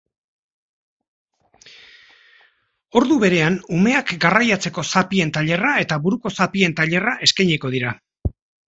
Ordu berean umeak garraiatzeko zapien tailerra eta buruko zapien tailerra eskainiko dira.